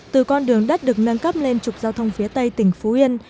từ con đường đất được nâng cấp lên trục giao thông phía tây tỉnh phú yên